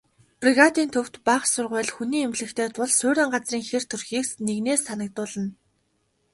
Бригадын төвд бага сургууль, хүний эмнэлэгтэй тул суурин газрын хэр төрхийг нэгнээ санагдуулна.